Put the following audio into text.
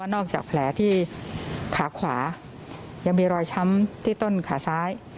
จากแผลที่ขาขวายังมีรอยช้ำที่ต้นขาซ้าย